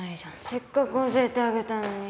せっかく教えてあげたのに。